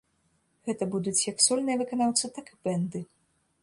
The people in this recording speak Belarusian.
Гэта будуць як сольныя выканаўцы, так і бэнды.